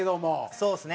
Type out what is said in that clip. そうですね。